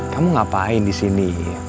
kamu ngapain disini